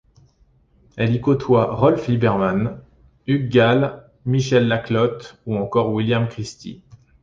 Elle y côtoie Rolf Libermann, Hugues Gall, Michel Laclotte ou encore William Christie.